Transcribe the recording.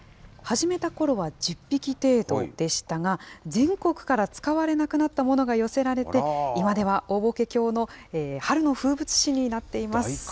始めたころは１０匹程度でしたが、全国から使われなくなったものが寄せられて、今では大歩危峡の春の風物詩になっています。